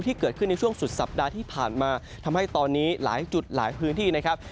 ที่เกิดขึ้นในช่วงสุดสัปดาห์ที่ผ่านมาทำให้ตอนนี้หลายจุดหลายพื้นที่นะครับ